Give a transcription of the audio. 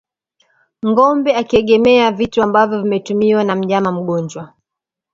Ngombe akiegemea vitu ambavyo vimetumiwa na mnyama mgonjwa